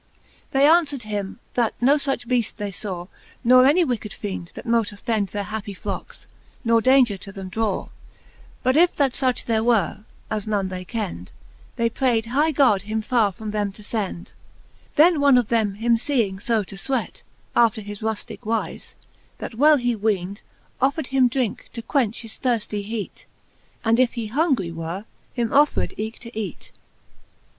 VI. They Canto IX. the Faerie ^eene. 337 VI. They aunfwer'd him, that no fuch beaft they faw, Nor any wicked feend, that mote offend Their happie flockes, nor daunger to them draw : But if that fuch there were (as none they kend) They prayd high God them farre from them to fend. Then one of them him feeing fo to fweat, After his rufticke wife, that well he weend, Offred him drinke, to quench his thirftie heat, And if he hungry were, him offred eke to eat.